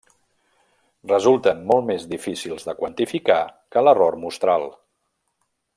Resulten molt més difícils de quantificar que l'error mostral.